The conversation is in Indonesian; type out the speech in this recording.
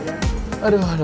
aduh ada panasnya